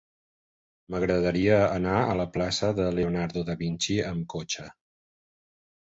M'agradaria anar a la plaça de Leonardo da Vinci amb cotxe.